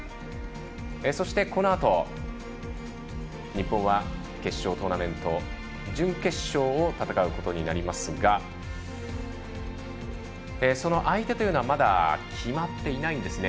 そして、このあと日本は決勝トーナメント準決勝を戦うことになりますがその相手というのはまだ決まっていないんですね。